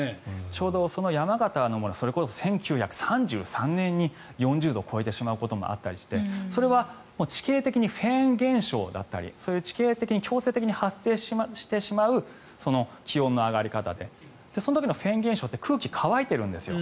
ちょうど山形だと１９３３年に４０度を超えてしまうこともあったりしてそれは地形的にフェーン現象だったりそういう地形的に強制的に発生してしまう気温の上がり方でその時のフェーン現象って空気が乾いているんですよ。